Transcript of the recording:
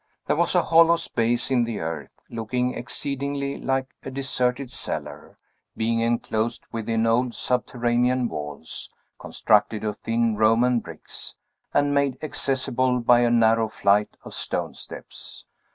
There was a hollow space in the earth, looking exceedingly like a deserted cellar, being enclosed within old subterranean walls, constructed of thin Roman bricks, and made accessible by a narrow flight of stone steps.